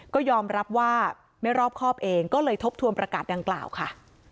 ก็ยอมรับว่าไม่รอบครอบเองก็เลยทบทวนประกาศดังกล่าวค่ะ